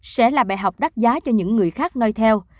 sẽ là bài học đắt giá cho những người khác nói theo